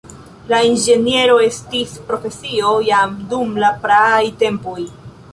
La inĝeniero estis profesio jam dum la praaj landoj.